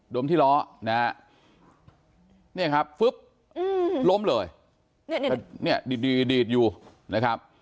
มที่ล้อนะฮะเนี่ยครับฟึ๊บล้มเลยเนี่ยดีดอยู่นะครับ